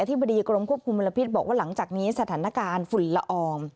ธิบดีกรมควบคุมมลพิษบอกว่าหลังจากนี้สถานการณ์ฝุ่นละออง